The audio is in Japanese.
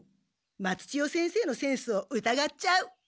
松千代先生のセンスをうたがっちゃう。